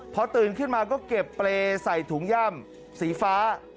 พอตื่นขึ้นมาก็เก็บเปรย์ใส่ถุงย่ำสีฟ้า